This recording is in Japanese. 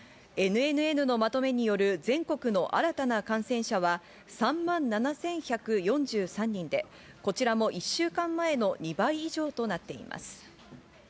ＮＮＮのまとめによる全国の新たな感染者は、３万７１４３人で、こちらも１週間前の２倍以上となっています。